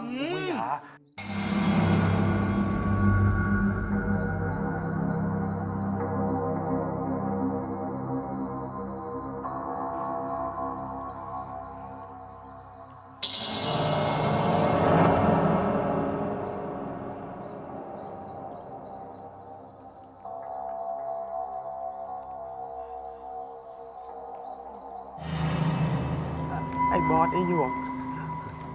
ที่นั่นไม่ได้มีผีตัวเดียวนะครับ